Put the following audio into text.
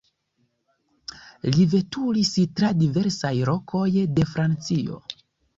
Li veturis tra diversaj lokoj de Francio.